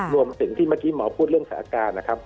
รวมถึงที่เมื่อกี้หมอพูดเรื่องศาลการณ์